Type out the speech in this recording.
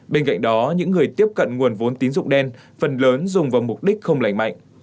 bên cạnh đó những người tiếp cận nguồn vốn tín dụng đen phần lớn dùng vào mục đích không lành mạnh